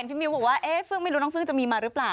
พี่มิวบอกว่าเฟือกไม่รู้น้องเฟือกจะมีมะรึเปล่า